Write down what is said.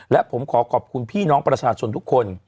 และผมขอขอบคุณพี่น้องประชาชนทุกคน